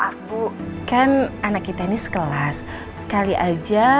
kalian bisa berbicara dengan mereka tapi aku tidak mau berbicara dengan mereka